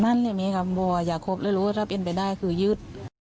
มั่นอย่างนี้ครับบอกว่าอยากให้คบแล้วรู้ว่าถ้าเปลี่ยนไปได้คือยืด